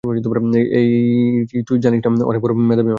এই, তুই জানিস না আমি অনেক বড় মেধাবী মানুষ।